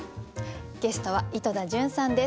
ゲストは井戸田潤さんです。